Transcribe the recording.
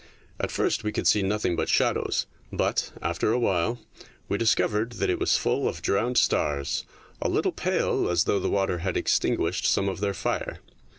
At first we could see nothing but shadows, but, after a while, we discovered that it was full of drowned stars, a little pale as though 24 THE DAY BEFORE YESTERDAY the water had extinguished some of their fire.